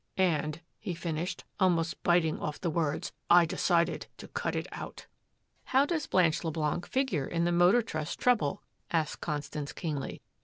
"And," he finished, almost biting off the words, "I decided to cut it out." "How does Blanche Leblanc figure in the Motor Trust trouble?" asked Constance keenly.